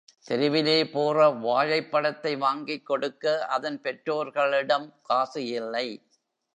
தெருவிலே போகிற வாழைப்பழத்தை வாங்கிக் கொடுக்க அதன் பெற்றோர்களிடம் காசு இல்லை.